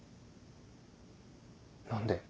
何で？